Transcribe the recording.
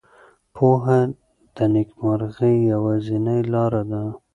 پوهه د نېکمرغۍ یوازینۍ لاره ده.